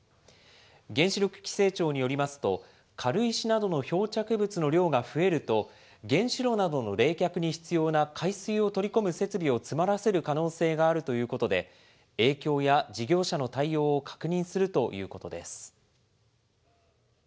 原子力規制庁によりますと、軽石などの漂着物の量が増えると、原子炉などの冷却に必要な海水を取り込む設備を詰まらせる可能性があるということで、影響や事業者の対応を確認するということです。